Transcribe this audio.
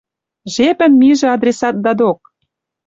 Жепеш мижӹ адресатда док!